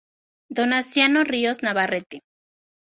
Donaciano Ríos Navarrete.